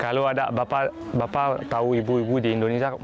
kalau ada bapak tahu ibu ibu di kaledonia baru